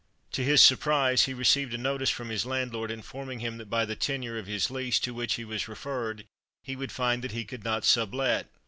To his surprise he received a notice from his landlord informing him that by the tenure of his lease, to which he was referred, he would find that he could not sub let.